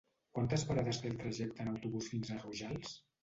Quantes parades té el trajecte en autobús fins a Rojals?